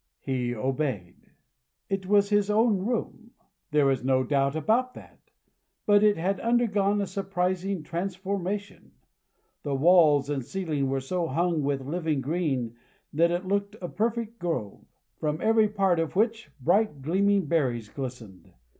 He obeyed. It was his own room. There was no doubt about that. But it had undergone a surprising transformation. The walls and ceiling were so hung with living green, that it looked a perfect grove; from every part of which, bright gleaming berries glistened.